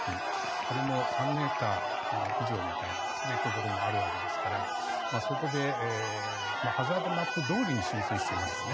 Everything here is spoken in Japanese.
それも３ｍ以上みたいなところもあるわけですからそこでハザードマップどおりに浸水していますね。